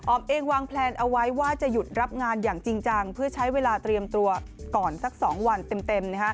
เองวางแพลนเอาไว้ว่าจะหยุดรับงานอย่างจริงจังเพื่อใช้เวลาเตรียมตัวก่อนสัก๒วันเต็ม